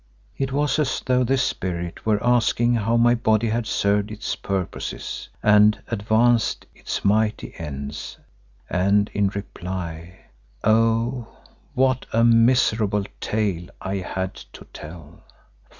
It was as though this Spirit were asking how my body had served its purposes and advanced its mighty ends, and in reply—oh! what a miserable tale I had to tell.